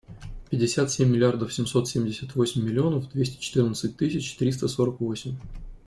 Пятьдесят семь миллиардов семьсот семьдесят восемь миллионов двести четырнадцать тысяч триста сорок восемь.